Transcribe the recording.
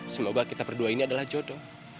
semoga kita berdua ini adalah jodoh